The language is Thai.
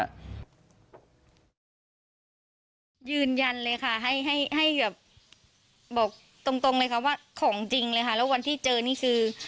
ยืนยันเลยค่ะให้ให้แบบบอกตรงเลยค่ะว่าของจริงเลยค่ะแล้ววันที่เจอนี่คือ